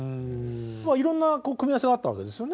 いろんな組み合わせがあったわけですよね？